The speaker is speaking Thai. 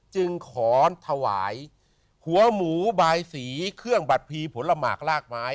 จึงขอถวายหัวหมูบายสีเครื่องบัตรพีผลหมากลากไม้